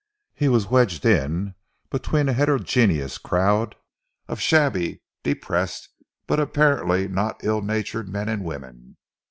He was wedged in between a heterogeneous crowd of shabby, depressed but apparently not ill natured men and women.